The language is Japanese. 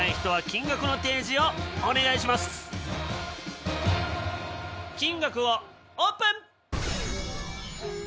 金額をオープン！